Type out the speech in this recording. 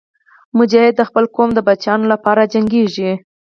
مجاهد د خپل قوم د بچیانو لپاره جنګېږي.